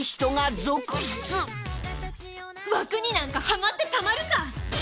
枠になんかはまってたまるか！